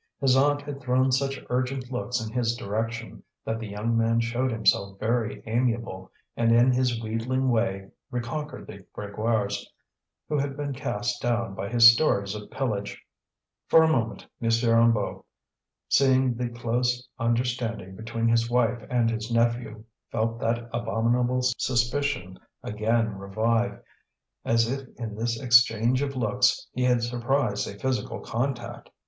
His aunt had thrown such urgent looks in his direction, that the young man showed himself very amiable, and in his wheedling way reconquered the Grégoires, who had been cast down by his stories of pillage. For a moment M. Hennebeau, seeing the close understanding between his wife and his nephew, felt that abominable suspicion again revive, as if in this exchange of looks he had surprised a physical contact.